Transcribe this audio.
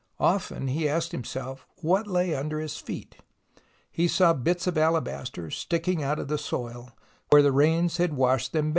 Often he asked himself what lay \mder his feet. He saw bits of alabaster sticking out of the soil where the rains had washed them bare.